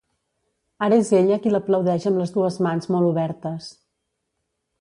Ara és ella qui l'aplaudeix amb les dues mans molt obertes.